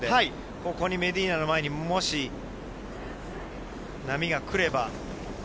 ここにメディーナの前にもし波が来れば。